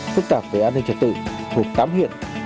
phức tạp về an ninh trật tự thuộc tám huyện